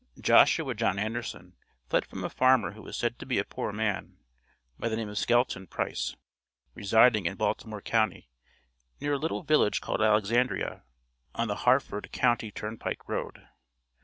Joshua John Anderson fled from a farmer who was said to be a poor man, by the name of Skelton Price, residing in Baltimore county, near a little village called Alexandria, on the Harford county turn pike road.